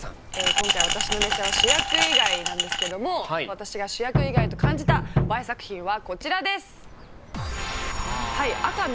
今回私の目線は「主役以外」なんですけども私が主役以外と感じたＢＡＥ作品はこちらです！